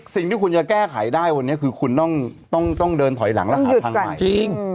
สิ่งที่คุณจะแก้ไขได้วันนี้คือคุณต้องเดินถอยหลังรหัสทางใหม่